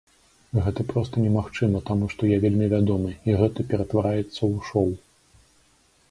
Гэта проста немагчыма, таму што я вельмі вядомы, і гэта ператвараецца ў шоў.